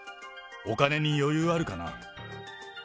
お金に余裕あるかな？